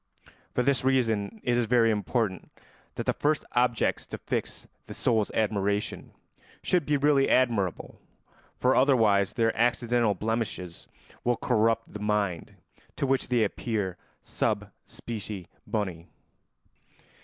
For this reason it is very important that the first objects to fix the soul's admiration should be really admirable, for otherwise their accidental blemishes will corrupt the mind to which they appear sub specie boni.